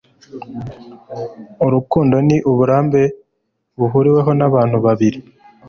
Urukundo ni uburambe buhuriweho n'abantu babiri –